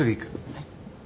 はい。